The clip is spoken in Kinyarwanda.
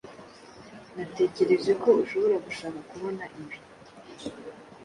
Natekereje ko ushobora gushaka kubona ibi.